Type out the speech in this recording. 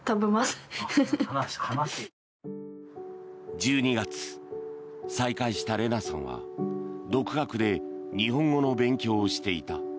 １２月再会したレナさんは独学で日本語を勉強していた。